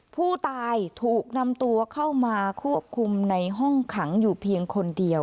ผู้ตายถูกนำตัวเข้ามาควบคุมในห้องขังอยู่เพียงคนเดียว